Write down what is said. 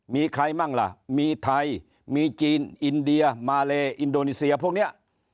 มีใครบ้างล่ะมีไทยมีจีนอินเดียมาเลอินโดนีเซียพวกนี้